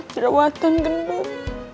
jodoh watang gendut